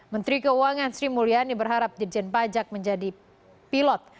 menteri keuangan sri mulyani berharap dirjen pajak menjadi pilot